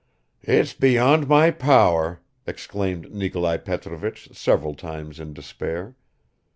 . "It's beyond my power!" exclaimed Nikolai Petrovich several times in despair.